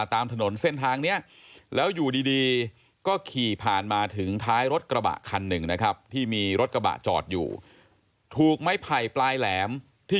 ที่มีรถกระบะจอดอยู่ถูกไม้ไผ่ปลายแหลมที่